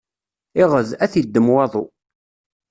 Iɣed, ad t-iddem waḍu.